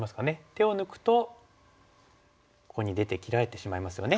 手を抜くとここに出て切られてしまいますよね。